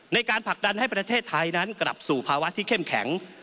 ในการผลักดันให้ประเทศไทยนั้นกลับสู่ภาวะที่เข้มแข็ง